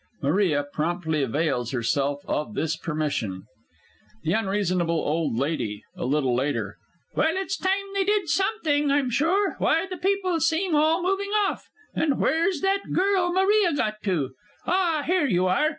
[MARIA promptly avails herself of this permission. THE U. O. L. (a little later). Well, it's time they did something, I'm sure. Why, the people seem all moving off! and where's that girl Maria got to? Ah, here you are!